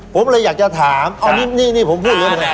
ผมเลยอยากจะถามนี่ผมพูดเรื่องไหน